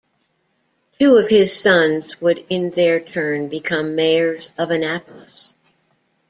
Two of his sons would in their turn become Mayors of Annapolis.